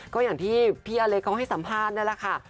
ก็อย่างที่พี่อเล็กเขาให้สัมภาษณ์นั่นแหละค่ะ